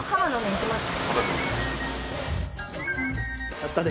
やったね。